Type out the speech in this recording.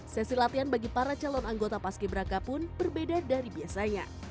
sesi latihan bagi para calon anggota paski beraka pun berbeda dari biasanya